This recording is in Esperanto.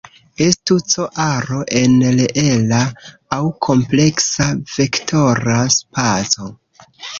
Estu "C" aro en reela aŭ kompleksa vektora spaco.